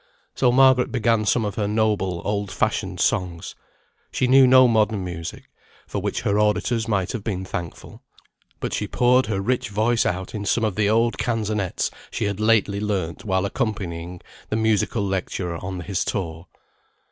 So Margaret began some of her noble old fashioned songs. She knew no modern music (for which her auditors might have been thankful), but she poured her rich voice out in some of the old canzonets she had lately learnt while accompanying the musical lecturer on his tour.